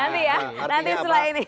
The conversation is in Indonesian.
nanti setelah ini